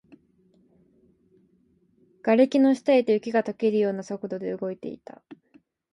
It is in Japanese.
瓦礫の下へと、雪が溶けるような速度で動いていた